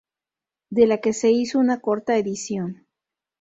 De la que se hizo una corta edición.